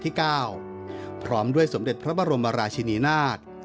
ที่๙พร้อมด้วยสมเด็จพระบรมราชินีนาฏ